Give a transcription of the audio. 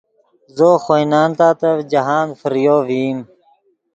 زو خوئے نان تاتف جاہند فریو ڤئیم